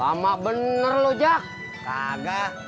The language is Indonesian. aha kita bakalan gendut aja sih